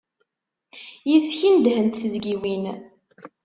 Yes-k i nedhent tezyiwin.